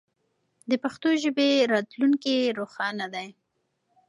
د پښتو ژبې راتلونکی روښانه دی.